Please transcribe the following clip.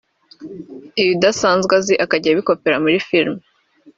ibidasanzwe azi akajya abikopera muri filime